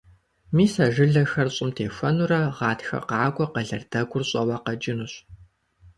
Мис а жылэхэр щӀым техуэнурэ гъатхэ къакӀуэ къэлэрдэгур щӀэуэ къэкӀынущ.